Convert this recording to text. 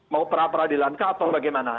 mau perap peradilan atau bagaimana